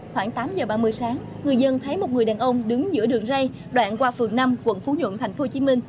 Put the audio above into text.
khoảng tám giờ ba mươi sáng người dân thấy một người đàn ông đứng giữa đường rây đoạn qua phường năm quận phú nhuận tp hcm